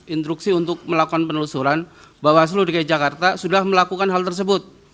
instruksi untuk melakukan penelusuran bawaslu dki jakarta sudah melakukan hal tersebut